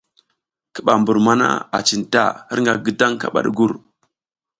Ki ɓa mbur mana a cinta, hirƞga ngidang kaɓa ɗugur.